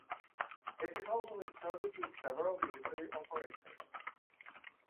It is also in service with several military operators.